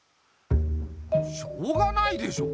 しょうがないでしょ。